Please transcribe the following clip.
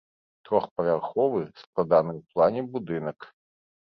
Трохпавярховы, складаны ў плане будынак.